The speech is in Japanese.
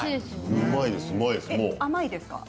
甘いです。